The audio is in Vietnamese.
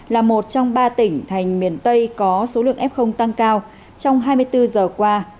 là một trong ba tỉnh thành miền tây có số lượng f tăng cao trong hai mươi bốn giờ qua